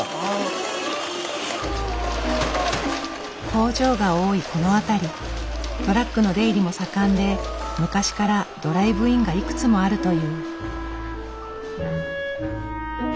工場が多いこの辺りトラックの出入りも盛んで昔からドライブインがいくつもあるという。